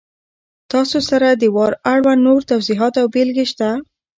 تاسې سره د وار اړوند نور توضیحات او بېلګې شته!